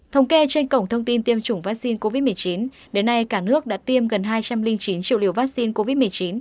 thống kê trên cổng thông tin tiêm chủng vaccine covid một mươi chín đến nay cả nước đã tiêm gần hai trăm linh chín triệu liều vaccine covid một mươi chín